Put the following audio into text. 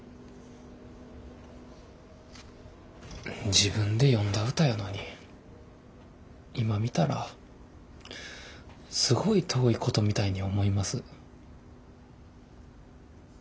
自分で詠んだ歌やのに今見たらすごい遠いことみたいに思います。